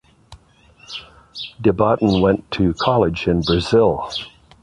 Debatin went to college in Brazil.